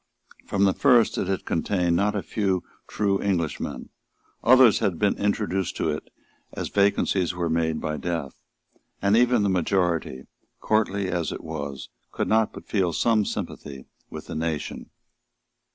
From the first it had contained not a few true Englishmen; others had been introduced into it as vacancies were made by death; and even the majority, courtly as it was, could not but feel some sympathy with the nation.